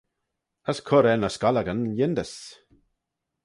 As cur er ny scollagyn yindys.